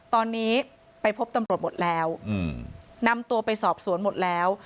ตอนนี้ไปพบตำรวจหมดแล้วนำตัวไปสอบสวนหมดแล้ว